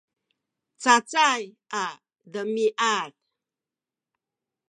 cacay a demiad